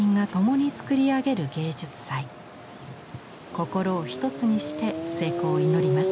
心を一つにして成功を祈ります。